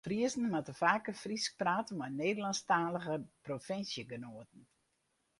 Friezen moatte faker Frysk prate mei Nederlânsktalige provinsjegenoaten.